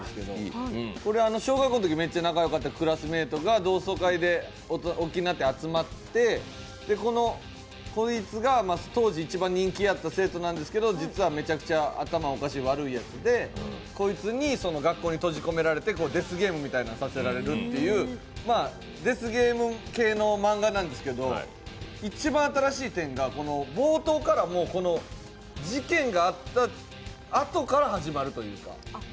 これ小学校のとき、めっちゃ仲よかった同級生が同窓会で大きくなって集まってこいつが当時一番人気やった生徒やったんですけど実はめちゃくちゃ頭おかしくて悪いやつでこいつに学校に閉じ込められて、デスゲームみたいなのをさせられるという、デスゲーム系の漫画なんですけど一番新しい点が冒頭から事件があったあとから始まるという。